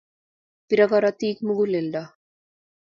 Bire korotik muguleldo